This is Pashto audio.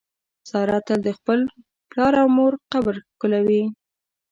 ساره تل د خپل پلار او مور قبر ښکلوي.